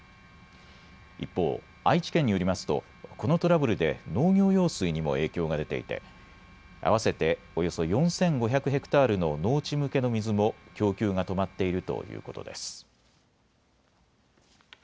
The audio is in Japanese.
一方、愛知県によりますとこのトラブルで農業用水にも影響が出ていて合わせておよそ４５００ヘクタールの農地向けの水も供給が止まっているということです。